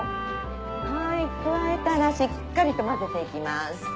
はい加えたらしっかりと混ぜて行きます。